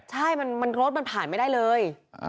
ใช่รถมันผ่านไม่ได้เลย